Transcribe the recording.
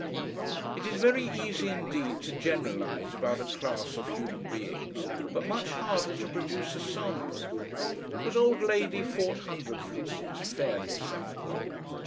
It is very easy indeed to generalise about a class of human beings, but much harder to produce a sample. Was old Lady Forthundred, for instance, fairly a sample?